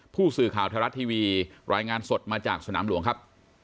ผู้สื่อข่าวไทยรัฐทีวีรายงานสดมาจากสนามหลวงครับ